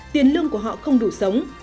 tiền lương của họ không đủ sống